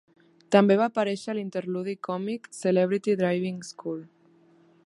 També va aparèixer a l'interludi còmic "Celebrity Driving School".